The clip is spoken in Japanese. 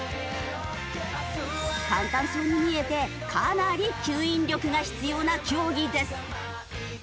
簡単そうに見えてかなり吸引力が必要な競技です。